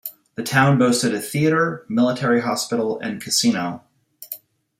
The town boasted a theater, military hospital, and casino.